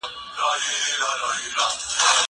هغه څوک چي سپينکۍ مينځي روغ وي!